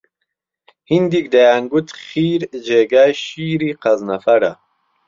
هينديک دهیانگوت خیر جێگای شییری قهزنهفهره